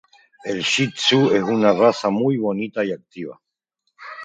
El Shih Tzu es una raza muy bonita y activa.